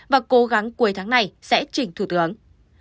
và cố gắng cuối tháng này sẽ chỉnh thủ tướng